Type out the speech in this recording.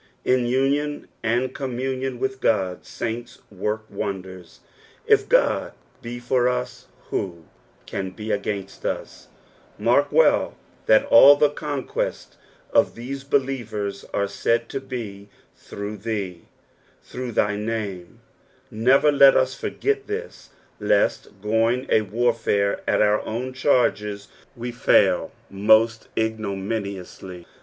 la union and commniuoii with Qod, aunts woric wondcra ; if Ood be for ua, who can be against db t Hark well that sll the conquesta of these believers are said to be '' through thee," " through thy name :" never let us foi^t this, lest going a warfare at our own charges, we fail most ignomiaioualy.